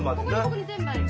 ここに全部あるよ。